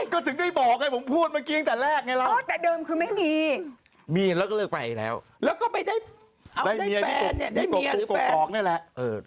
เกราะตุมนี้ใกล้ที่